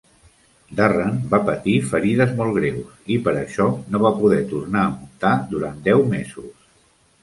Darren va patir ferides molt greus i, per això, no va poder tornar a muntar durant deu mesos.